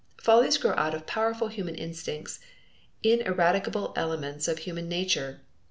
Follies grow out of powerful human instincts, ineradicable elements of human nature.